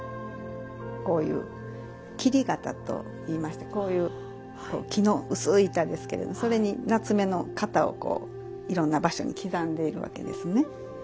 こういう切り型と言いましてこういう木の薄い板ですけれどそれに棗の型をこういろんな場所に刻んでいるわけですね。